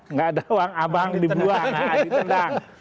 nggak ada uang abang dibuang ditendang